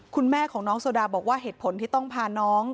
คุณแม่ของน้องโซดาบอกว่าเหตุผลที่ต้องพาน้อง